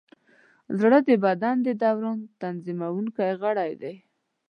زړه د بدن د دوران تنظیمونکی غړی دی.